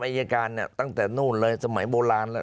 อายการตั้งแต่นู่นเลยสมัยโบราณแล้ว